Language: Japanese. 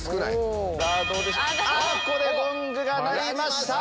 ここでゴングが鳴りました。